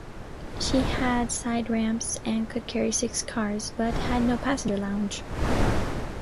She had side ramps and could carry six cars but had no passenger lounge.